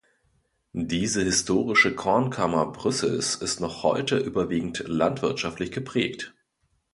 Diese historische Kornkammer Brüssels ist noch heute überwiegend landwirtschaftlich geprägt.